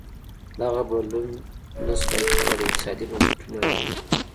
دغه بدلون نه ش وای کولی اقتصادي بنسټونه راونغاړي.